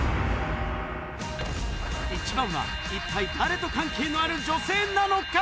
一体誰と関係のある女性なのか？